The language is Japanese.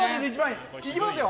いきますよ。